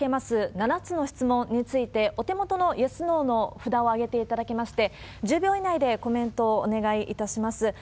７つの質問について、お手元のイエス、ノーの札を挙げていただきまして、１０秒以内でコメントをお願いいたします。